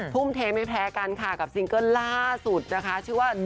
ทุ่มเทไม่แพ้กันค่ะกับซิงเกิ้ลล่าสุดนะคะชื่อว่า